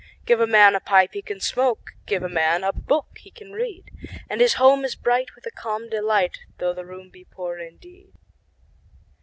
Give a man a pipe he can smoke, 5 Give a man a book he can read: And his home is bright with a calm delight, Though the room be poor indeed.